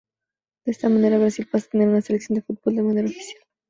De esta manera Brasil pasa a tener una selección de fútbol de manera oficial.